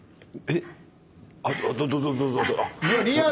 えっ？